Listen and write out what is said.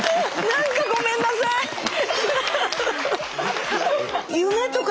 何かごめんなさい！